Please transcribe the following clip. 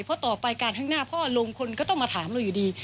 เพราะต่อไปการข้างหน้าพ่อลงคนก็ต้องมาถามเราอยู่ดี